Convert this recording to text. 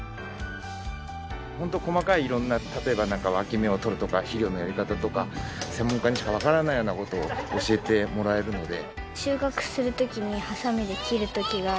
ホント細かい色んな例えばわき芽を取るとか肥料のやり方とか専門家にしかわからないような事を教えてもらえるので。